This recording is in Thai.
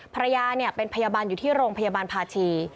ภรรยาเป็นพยาบาลอยู่ที่โรงพยาบาลภาชี